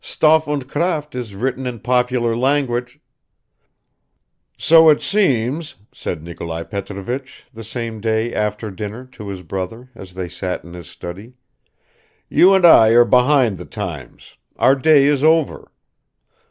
"Stoff und Kraft is written in popular language ..." "So it seems," said Nikolai Petrovich the same day after dinner to his brother, as they sat in his study, "you and I are behind the times, our day is over.